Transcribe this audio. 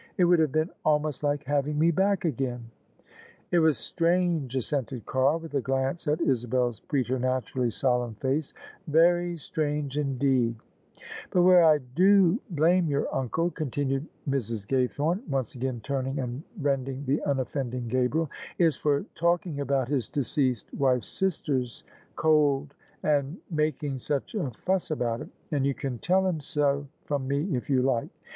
It would have been almost like having me back again." " It was strange," assented Carr with a glance at Isabel's pretematurally solemn face: "very strange indeed I" "But where I do blame your uncle," continued Mrs. Gaythome, once again turning and rending the unoffending Gabriel, " is for talking about his deceased wife's sister's cold and making such a fuss about it : and you can tell him so from me if you like.